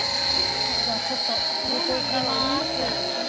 それではちょっと入れていきます。